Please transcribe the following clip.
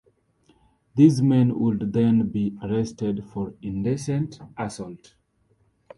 These men would then be arrested for indecent assault.